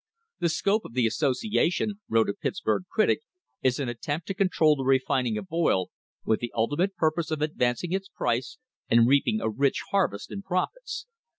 "The scope of the Association," wrote a Pittsburg critic, "is an attempt to control the refining of oil, with the ultimate purpose of advancing its price and LAYING THE FOUNDATIONS OF A TRUST reaping a rich harvest in profits.